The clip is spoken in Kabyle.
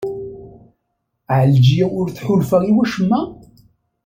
Ɛelǧiya ur tḥulfa i wacemma?